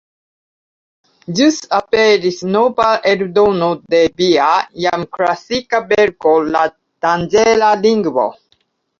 Ĵus aperis nova eldono de via jam klasika verko ”La danĝera lingvo”.